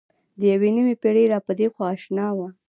د یوې نیمې پېړۍ را پدېخوا اشنا وه.